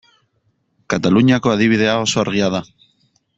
Kataluniako adibidea oso argia da.